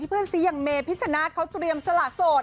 เพื่อนซีอย่างเมพิชชนาธิ์เขาเตรียมสละโสด